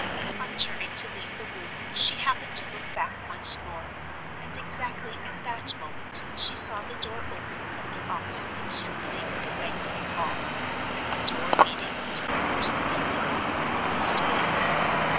On turning to leave the room, she happened to look back once more, and exactly at that moment she saw the door open at the opposite extremity of the Banqueting Hall—the door leading into the first of the apartments in the east wing.